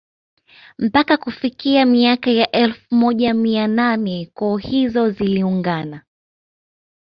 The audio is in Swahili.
Mpaka kufikia miaka ya elfu moja mia nane koo hizo ziliungana